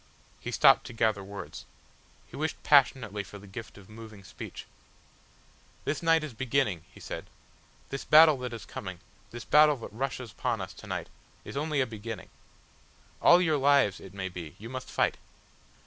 He stopped to gather words. He wished passionately for the gift of moving speech. "This night is a beginning," he said. "This battle that is coming, this battle that rushes upon us to night, is only a beginning. All your lives, it may be, you must fight.